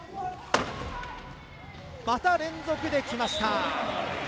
また連続できました。